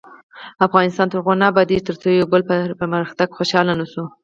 افغانستان تر هغو نه ابادیږي، ترڅو د یو بل په پرمختګ خوشحاله نشو.